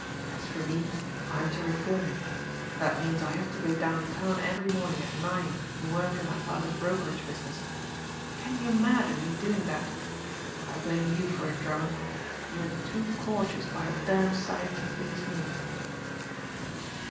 As for me, I'm to reform. That means I have to go down town every morning at nine and work in my father's brokerage business. Can you imagine me doing that? I blame you for it, Drummond. You are too cautious by a damn sight to please me."